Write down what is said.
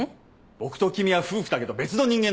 僕と君は夫婦だけど別の人間なんだ。